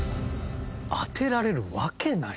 当てられるわけない。